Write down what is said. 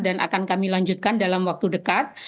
dan akan kami lanjutkan dalam waktu dekat